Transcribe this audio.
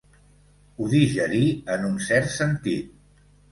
Ho digerí en un cert sentit.